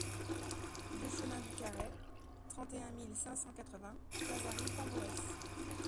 deux chemin du Carrey, trente et un mille cinq cent quatre-vingts Cazaril-Tambourès